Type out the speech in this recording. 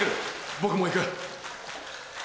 僕も行く。